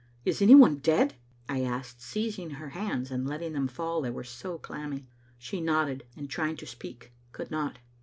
" Is any one dead?" I asked, seizing her hands and letting them fall, they were so clammy. She nodded, and trying to speak could not.